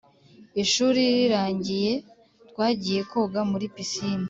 ishuri rirangiye, twagiye koga muri pisine.